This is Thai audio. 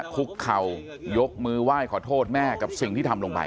คุกเข่ายกมือไหว้ขอโทษแม่กับสิ่งที่ทำลงไป